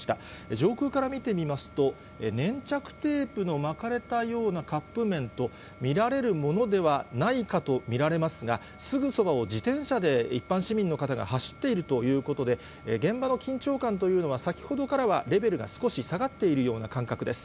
上空から見てみますと、粘着テープの巻かれたようなカップ麺と見られるものではないかと見られますが、すぐそばを自転車で一般市民の方が走っているということで、現場の緊張感というのは、先ほどからはレベルが少し下がっているような感覚です。